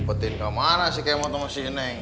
diupetin kemana sih kemut sama si neng